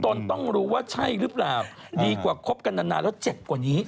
นต้องรู้ว่าใช่หรือเปล่าดีกว่าคบกันนานแล้วเจ็บกว่านี้